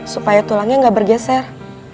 supaya tulangnya gak bergeser